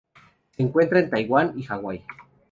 Se encuentra en Taiwán y Hawaii.